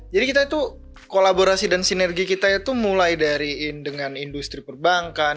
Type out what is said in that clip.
jadi kita itu kolaborasi dan sinergi kita itu mulai dari dengan industri perbankan